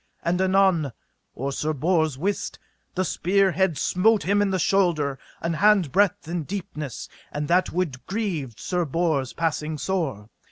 And anon, or Sir Bors wist, the spear head smote him into the shoulder an hand breadth in deepness, and that wound grieved Sir Bors passing sore.